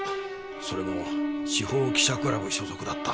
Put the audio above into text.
それも司法記者クラブ所属だった。